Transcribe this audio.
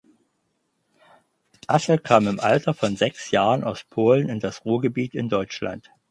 Asche kam im Alter von sechs Jahren aus Polen in das Ruhrgebiet in Deutschland.